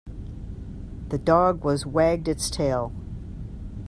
The dog was wagged its tail.